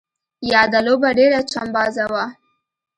یاده لوبه ډېره چمبازه وه.